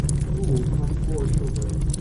Gould had four children.